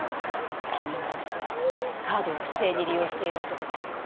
スキミングをしてカードを不正に利用している男がいます。